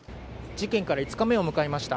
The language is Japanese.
事件から５日目を迎えました。